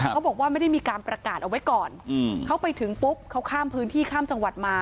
เขาบอกว่าไม่ได้มีการประกาศเอาไว้ก่อนเขาไปถึงปุ๊บเขาข้ามพื้นที่ข้ามจังหวัดมา